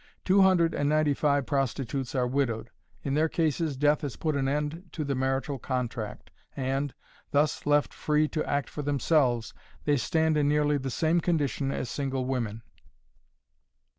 Two hundred and ninety five prostitutes are widowed. In their cases death has put an end to the marital contract, and, thus left free to act for themselves, they stand in nearly the same condition as single women.